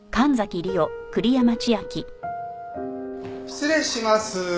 失礼します。